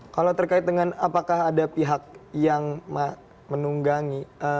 kalau terkait dengan apakah ada pihak yang menunggangi